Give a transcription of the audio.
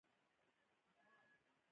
ځوانه لور یې مړه شوه په پښتو ژبه.